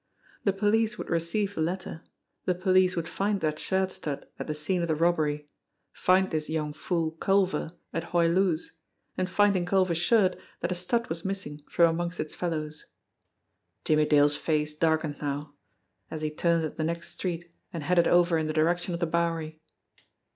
The police would receive the letter ; the police would find that shirt stud at the scene of the robbery, find this young fool Culver at Hoy Loo's, and find in Culver's shirt that a stud was missing from amongst its fellows. Jimmie Dale's face darkened now, as he turned at the next street and headed over in the direction of the Bowery.